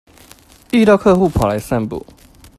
遇到客戶跑來散步